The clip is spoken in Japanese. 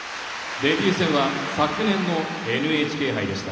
デビュー戦は昨年のＮＨＫ杯でした。